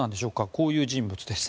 こういう人物です。